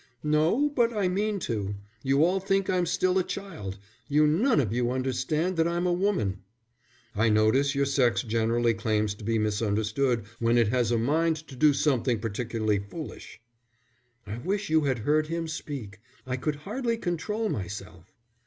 "No, but I mean to. You all think I'm still a child. You none of you understand that I'm a woman." "I notice your sex generally claims to be misunderstood when it has a mind to do something particularly foolish." "I wish you had heard him speak. I could hardly control myself."